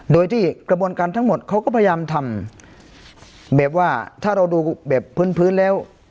โดยที่กระบวนการทั้งหมดเขาก็พยายามทำแบบว่าถ้าเราดูแบบพื้นพื้นแล้ว